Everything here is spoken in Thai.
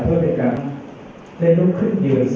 ผมจะเจอกันโดยถุงธรรมยาพร